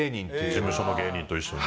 事務所の芸人と一緒に。